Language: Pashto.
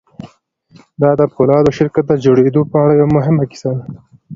دا د پولادو شرکت د جوړېدو په اړه یوه مهمه کیسه ده